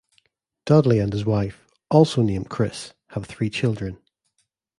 Dudley and his wife, also named Chris, have three children.